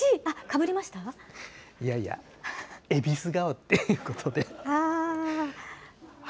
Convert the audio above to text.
いやいや、えびす顔っていうああ。